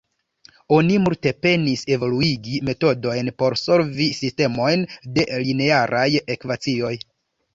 Oni multe penis evoluigi metodojn por solvi sistemojn de linearaj ekvacioj.